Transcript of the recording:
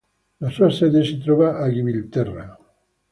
La sua sede si trova a Gibilterra.